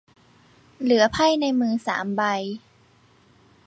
เหลือไพ่ในมือสามใบ